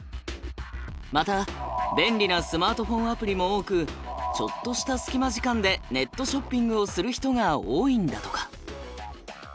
また便利なスマートフォンアプリも多くちょっとしたスキマ時間でネットショッピングをする人が多いんだとか。